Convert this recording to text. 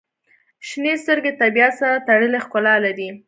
• شنې سترګې د طبیعت سره تړلې ښکلا لري.